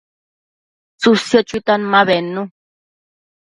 tsësio chuitan ma bednu